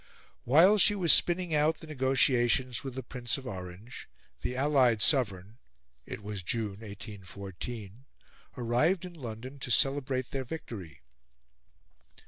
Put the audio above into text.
While she was spinning out the negotiations with the Prince of Orange, the allied sovereign it was June, 1814 arrived in London to celebrate their victory.